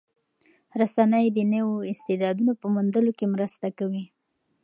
رسنۍ د نویو استعدادونو په موندلو کې مرسته کوي.